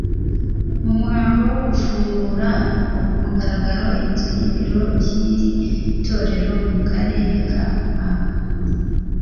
mu muhango wo gufungura ku mugaragaro inzu y’ibiro by’iri torero mu Karere ka Muhanga